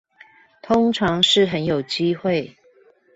通常是很有機會